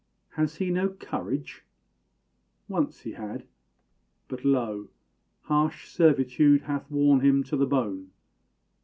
Has he no courage? Once he had but, lo! Harsh servitude hath worn him to the bone.